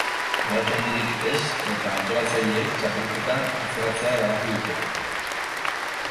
Olatu handirik ez eta antolatzaileek txapelketa atzeratzea erabaki dute.